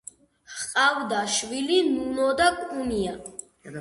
ჰყავდა შვილი ნუნო და კუნია.